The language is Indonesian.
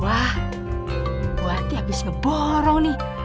wah bu tanti habis ngeborong nih